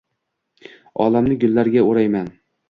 Olamni gullarga o’rayman